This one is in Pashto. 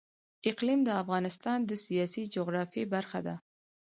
اقلیم د افغانستان د سیاسي جغرافیه برخه ده.